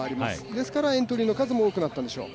ですからエントリーの数も多くなったんでしょう。